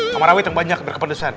kamar awet yang banyak biar kepedesan